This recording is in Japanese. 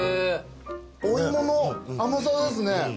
お芋の甘さですね。